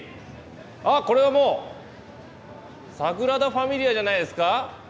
ああこれはもうサグラダ・ファミリアじゃないですか？